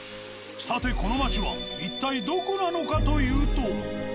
さてこの町は一体どこなのかというと。